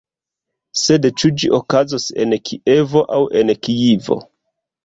Sed ĉu ĝi okazos en Kievo aŭ en Kijivo?